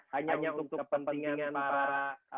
hanya untuk kepentingan para